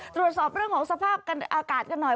ตรวจสอบเรื่องของสภาพอากาศกันหน่อย